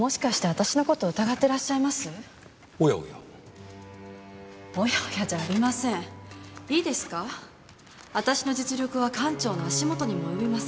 私の実力は館長の足元にも及びません。